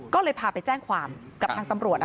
ก็เลยพาไปแจ้งความกับทางตำรวจ